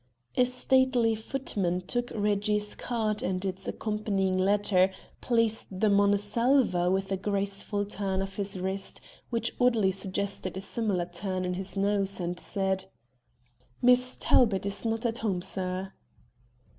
A stately footman took Reggie's card and its accompanying letter, placed them on a salver with a graceful turn of his wrist, which oddly suggested a similar turn in his nose, and said: "Miss Talbot is not at home, sir."